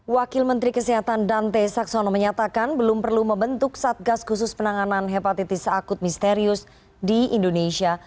wakil menteri kesehatan dante saxono menyatakan belum perlu membentuk satgas khusus penanganan hepatitis akut misterius di indonesia